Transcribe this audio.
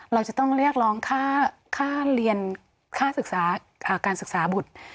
เราจะต้องเรียกร้องค่าเรียนค่าศึกษาการศึกษาบุตร